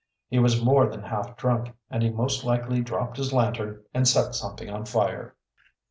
He was more than half drunk, and he most likely dropped his lantern and set something on fire."